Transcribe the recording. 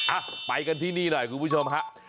อ่ะไปกันที่นี่หน่อยคุณผู้ชมฮะ